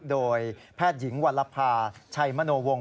โดยแพทย์หญิงวัลภาชัยมโนวงศ